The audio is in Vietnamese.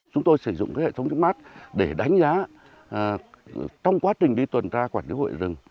chúng tôi sử dụng hệ thống trước mắt để đánh giá trong quá trình đi tuần tra quản lý hội rừng